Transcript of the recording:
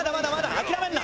諦めんな！